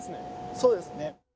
そうですね。